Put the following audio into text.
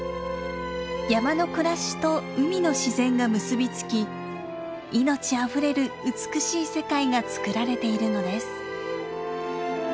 山の暮らしと海の自然が結び付き命あふれる美しい世界が作られているのです。